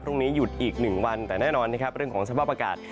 พรุ่งนี้หยุดอีก๑วันแต่แน่นอนนะครับเรื่องของสภาพอากาศ